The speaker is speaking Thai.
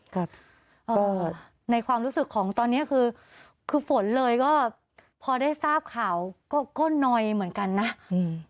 ครับเอ่อในความรู้สึกของตอนเนี้ยคือคือฝนเลยก็พอได้ทราบข่าวก็ก็น้อยเหมือนกันนะอืม